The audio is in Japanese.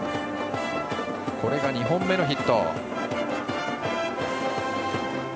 これが２本目のヒット。